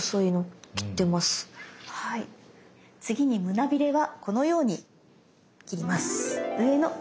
次に胸ビレはこのように切ります。